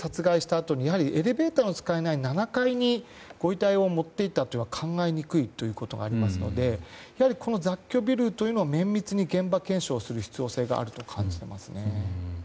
あとエレベーターが使えない７階にご遺体を持って行ったとは考えにくいということがありますのでやはり、この雑居ビルというのは綿密に現場検証する必要性があると感じます。